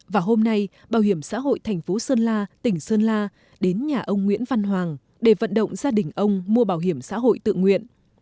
và hôm nay bảo hiểm xã hội thành phố sơn la tỉnh sơn la đến nhà ông nguyễn văn hoàng để vận động gia đình ông mua bảo hiểm xã hội tự nguyện